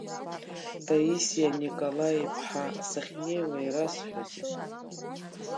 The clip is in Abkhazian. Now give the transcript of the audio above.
Таисиа Николаи-иԥҳа, сахьнеиуа ирасҳәозеи?